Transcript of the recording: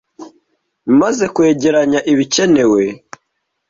Umaze kwegeranya ibikenewe,